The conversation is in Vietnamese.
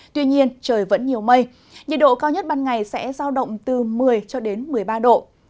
tuy nhiên trời vẫn nhiều mây nhiệt độ cao nhất ban ngày sẽ giao động từ một mươi cho đến một mươi ba độ